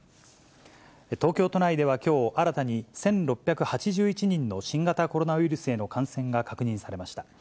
東京都内では、きょう新たに１６８１人の新型コロナウイルスへの感染が確認されました。